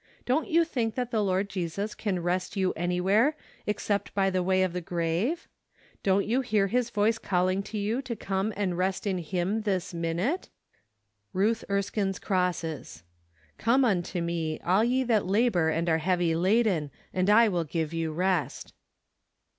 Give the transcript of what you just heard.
Don't you think that the Lord Jesus can rest you anywhere except by the way of the grave ? Don't you hear His voice calling to you to come and rest in Him this minute ? Ruth Erskinc's Crosses. " Come unto me, all ye that labor and are heavy laden, and I will give you rest."